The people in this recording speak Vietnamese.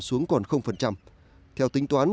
xuống còn theo tính toán